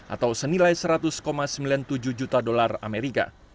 atau senilai seratus sembilan puluh tujuh juta dolar amerika